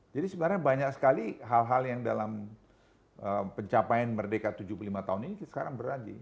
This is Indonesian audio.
jadi sebenarnya banyak sekali hal hal yang dalam pencapaian merdeka tujuh puluh lima tahun ini sekarang berlaji